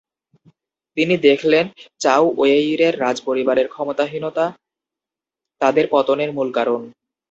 তিনি দেখলেন চাও ওয়েইয়ের রাজপরিবারের ক্ষমতাহীনতা তাদের পতনের মূল কারণ।